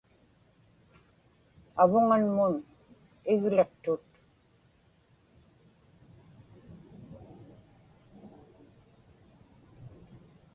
avuŋanmun igliqtut